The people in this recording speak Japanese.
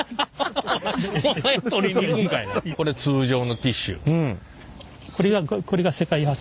これ通常のティッシュ。